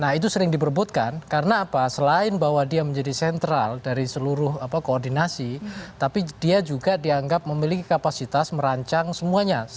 nah itu sering diperbutkan karena apa selain bahwa dia menjadi sentral dari seluruh koordinasi tapi dia juga dianggap memiliki kapasitas merancang semuanya